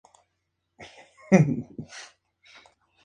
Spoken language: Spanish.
Existen numerosos manantiales que proveen de agua a la fauna autóctona.